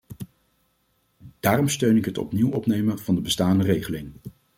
Daarom steun ik het opnieuw opnemen van de bestaande regeling.